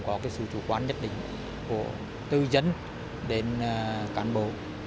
có cái sự chủ quán nhất định của tư dân đến cản bộ